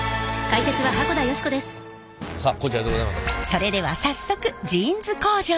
それでは早速ジーンズ工場へ。